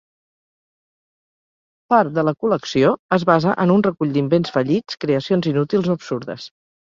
Part de la col·lecció es basa en un recull d'invents fallits, creacions inútils o absurdes.